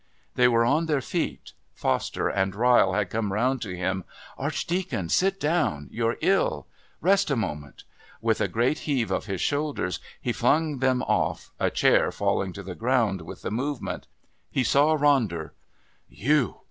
They were on their feet. Foster and Ryle had come round to him. "Archdeacon, sit down." "You're ill." "Rest a moment" With a great heave of his shoulders he flung them off, a chair falling to the ground with the movement. He saw Ronder. "You!...